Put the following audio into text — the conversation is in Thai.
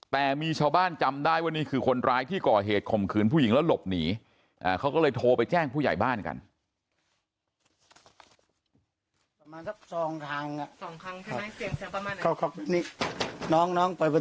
แต่มีชาวบ้านจำได้ว่านี่คือคนร้ายที่ก่อเหตุข่มขืนผู้หญิงแล้วหลบหนีเขาก็เลยโทรไปแจ้งผู้ใหญ่บ้านกัน